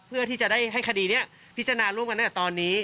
เพื่อที่จะได้ให้คดีนี้พิจารณาร่วมกันตั้งแต่ตอนนี้